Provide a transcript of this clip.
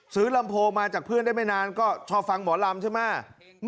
ลำโพมาจากเพื่อนได้ไม่นานก็ชอบฟังหมอลำใช่ไหม